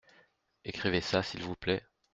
Écrivez ça s’il vous plait.